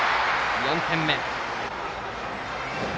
４点目。